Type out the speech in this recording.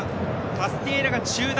タスティエーラが中団。